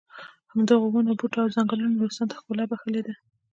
همدغو ونو بوټو او ځنګلونو نورستان ته ښکلا بښلې ده.